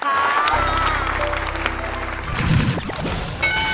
ขอบคุณมากครับ